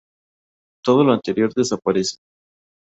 Todo lo anterior desaparece.